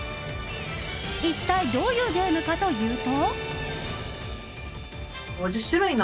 一体どういうゲームかというと。